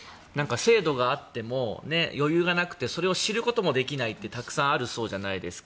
制度があっても余裕がなくてそれを知ることもできないってたくさんあるそうじゃないですか。